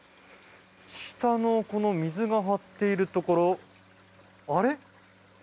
下の水が張っているところあれ？